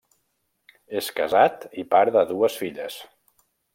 És casat i pare de dues filles.